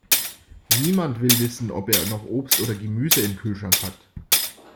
Niemand will wissen, ob er noch Obst oder Gemüse im Kühlschrank hat.